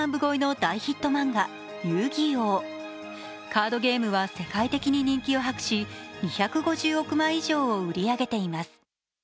カードゲームは世界的に人気を博し、２５０億枚以上を売り上げています。